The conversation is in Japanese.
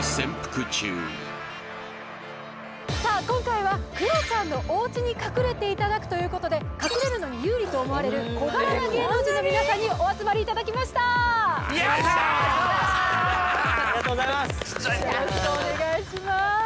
今回はクロちゃんのおうちに隠れていただくということで隠れるのに有利と思われる小柄な芸能人の皆さんにお集まりいただきましたよっしゃー！